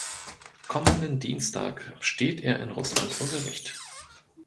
Kommenden Dienstag steht er in Russland vor Gericht.